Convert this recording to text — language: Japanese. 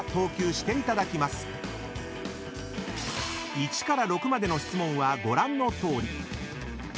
［１から６までの質問はご覧のとおり］